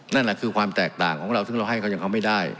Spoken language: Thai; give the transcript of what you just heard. นั่นแหละคือความแตกต่างของเราซึ่งเราให้เขาอย่างเขาไม่ได้